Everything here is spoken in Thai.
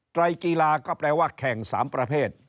ไรกีฬาก็แปลว่าแข่ง๓ประเภท